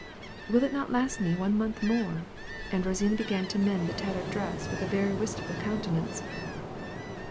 "Will it not last me one month more?" and Rosina began to mend the tattered dress with a very wistful countenance.